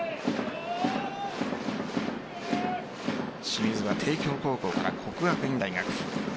清水は帝京高校から国学院大学